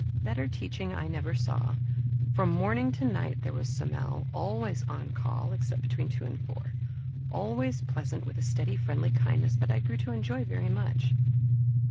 Better teaching I never saw. From morning to night there was Somel, always on call except between two and four; always pleasant with a steady friendly kindness that I grew to enjoy very much.